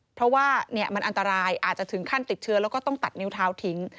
เพราะว่ามันอันตรายอาจจะถึงขั้นติดเชื้อแล้วก็ต้องตัดนิ้วเท้าทิ้ง